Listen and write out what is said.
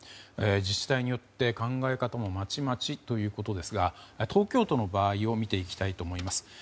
自治体によって考え方もまちまちということですが東京都の場合を見ていきたいと思います。